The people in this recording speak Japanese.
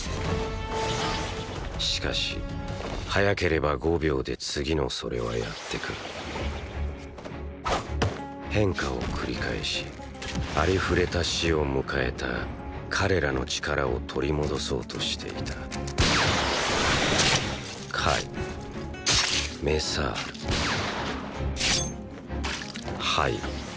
しかし早ければ５秒で次のそれはやってくる変化を繰り返しありふれた死を迎えた彼らの力を取り戻そうとしていたカイメサールハイロ。